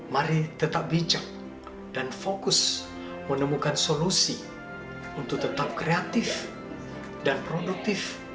mari tetap bijak dan fokus menemukan solusi untuk tetap kreatif dan produktif